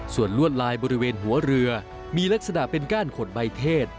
ส่วนลวดลายบริเวณหัวเรือมีลักษณะเป็นก้านขนใบเทศ